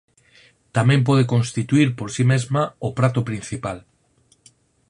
Tamén pode constituír por si mesma o prato principal.